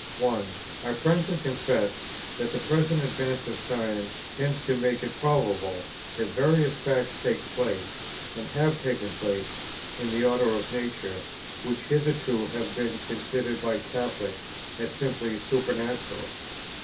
1. I frankly confess that the present advance of science tends to make it probable that various facts take place, and have taken place, in the order of nature, which hitherto have been considered by Catholics as simply supernatural.